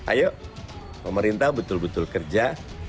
ayo pemerintah betul betul kerja